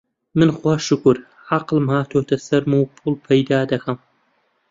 من خوا شوکور عەقڵم هاتۆتە سەرم و پووڵ پەیدا دەکەم